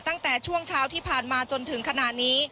ตั้งแต่ช่วงเช้าที่ผ่านมาจนถึงขณะนี้